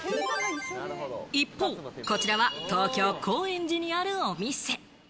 一方、こちらは東京・高円寺にあるお店。